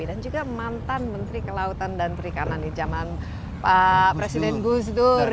dan juga mantan menteri kelautan dan perikanan di zaman presiden gusdur